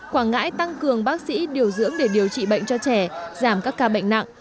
quảng ngãi tăng cường bác sĩ điều dưỡng để điều trị bệnh cho trẻ giảm các ca bệnh nặng